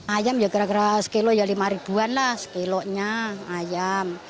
ayam ya gara gara sekilo ya rp lima lah sekilonya ayam